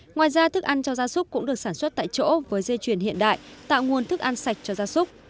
ngoài ra thức ăn cho gia súc cũng được sản xuất tại chỗ với dây chuyền hiện đại tạo nguồn thức ăn sạch cho gia súc